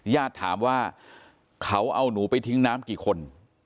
ญาติถามว่าเขาเอาหนูไปทิ้งน้ำกี่คน